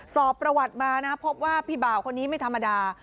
สอบประวัติมานะพบว่าพี่บ่าวคนนี้ไม่ธรรมดา